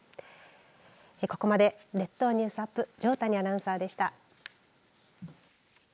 ここまで列島ニュースアップ条谷アナウンサーでした。